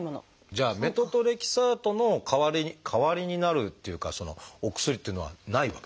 じゃあメトトレキサートの代わりに代わりになるっていうかお薬っていうのはないわけですね。